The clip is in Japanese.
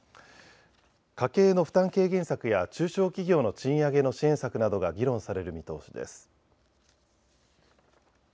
家計の負担軽減策や中小企業の賃上げの支援策などが議論される見通しです。